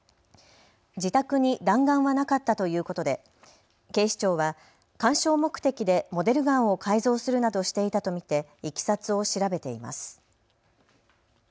自宅に弾丸はなかったということで警視庁は鑑賞目的でモデルガンを改造するなどしていたと見ていきさつを調べています。